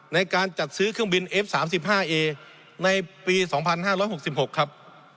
ในการจัดซื้อเครื่องบินเอฟสามสิบห้าเอในปีสองพันห้าร้อยหกสิบหกครับ